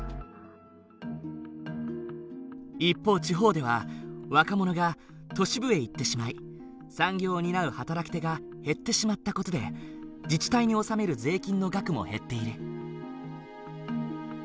一方地方では若者が都市部へ行ってしまい産業を担う働き手が減ってしまった事で自治体に納める税金の額も減っている。